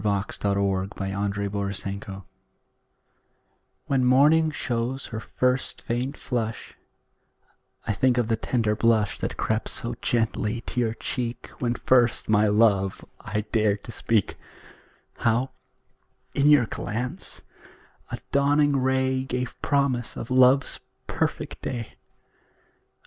MORNING, NOON AND NIGHT When morning shows her first faint flush, I think of the tender blush That crept so gently to your cheek When first my love I dared to speak; How, in your glance, a dawning ray Gave promise of love's perfect day.